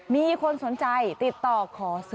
มีคนสนใจติดต่อขอซื้อ